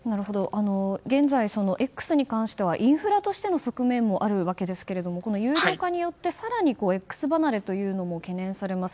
現在、Ｘに関してはインフラとしての側面もあるわけですが、有料化によって更にＸ離れというのも懸念されます。